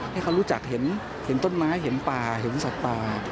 ให้เขารู้จักเห็นต้นไม้เห็นป่าเห็นสัตว์ป่า